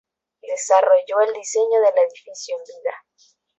Desarrolló el diseño del edificio en vida.